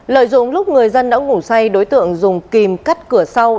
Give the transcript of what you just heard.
lợi dụng lúc người dân đã ngủ say đối tượng dùng kim cắt cửa sau